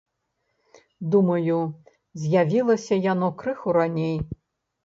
Думаю, з'явілася яно крыху раней.